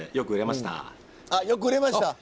よく売れました？